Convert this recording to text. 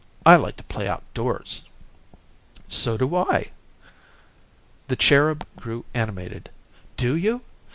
I like to play outdoors." "So do I." The "Cherub" grew animated. "Do you?